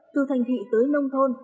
từ thành thị tới nông thôn